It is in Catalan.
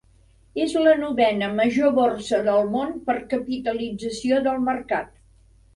És la novena major borsa del món per capitalització de mercat.